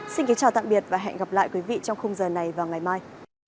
xin kính chào tạm biệt và hẹn gặp lại quý vị trong khung giờ này vào ngày mai